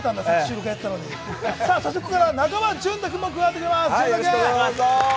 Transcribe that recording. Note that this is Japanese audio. ここからは中間淳太君も加わってくれます。